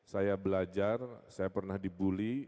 saya belajar saya pernah dibully